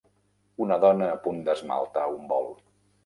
Una dona a punt d'esmaltar un bol.